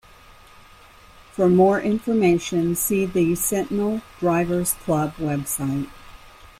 For more information see the Sentinel Drivers Club website.